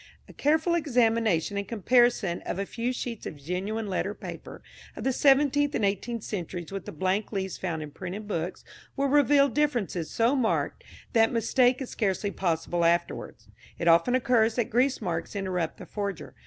A careful examination and comparison of a few sheets of genuine letter paper of the seventeenth and eighteenth centuries with the blank leaves found in printed books will reveal differences so marked that mistake is scarcely possible afterwards. It often occurs that grease marks interrupt the forger.